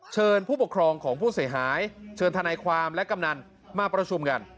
เชิญผู้ปกครองของผู้เสียหายเชิญทนายความและกำนันมาประชุมกัน